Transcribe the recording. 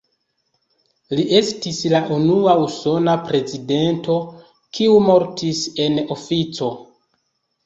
Li estis la unua usona prezidento, kiu mortis en ofico.